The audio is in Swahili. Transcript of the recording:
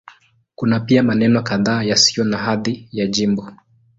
Kuna pia maeneo kadhaa yasiyo na hadhi ya jimbo.